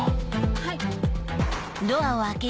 はい！